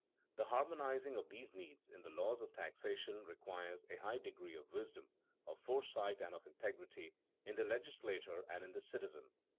The harmonizing of these needs in the laws of taxation requires a high degree of wisdom, of foresight, and of integrity, in the legislator and in the citizen.